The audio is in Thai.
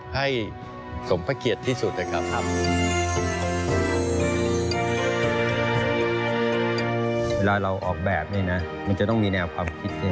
ให้สมภเกียจที่สุด